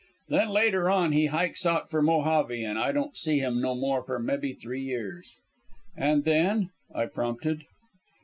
Then later on he hikes out for Mojave and I don' see him no more for mebbee three years." "And then?" I prompted.